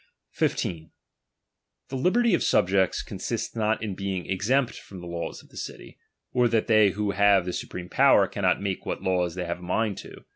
,o™ 15. The liberty of subjects consists not in being miliri exempt from the laws of the city, or that they i.««. .^viio have the supreme power cannot make what in™ Bid laws they have a mind to.